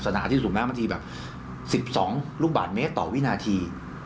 อัศนาที่สูบน้ำที่แบบ๑๒ลูกบาทเมตรต่อวินาที